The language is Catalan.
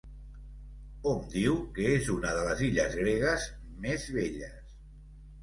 Hom diu que és una de les illes gregues més belles.